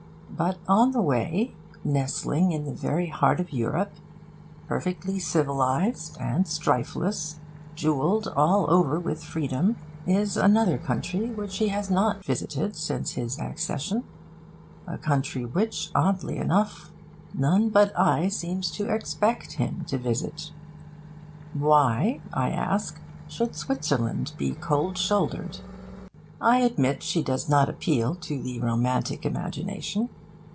But, on the way, nestling in the very heart of Europe, perfectly civilised and strifeless, jewelled all over with freedom, is another country which he has not visited since his accession a country which, oddly enough, none but I seems to expect him to visit. Why, I ask, should Switzerland be cold shouldered? I admit she does not appeal to the romantic imagination.